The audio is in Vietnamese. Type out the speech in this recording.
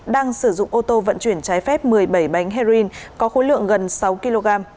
đang sử dụng ô tô vận chuyển trái phép một mươi bảy bánh heroin có khối lượng gần sáu kg